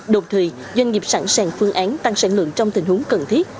đồng thời doanh nghiệp sẵn sàng phương án tăng sản lượng trong tình huống cần thiết